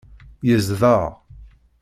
Yezder.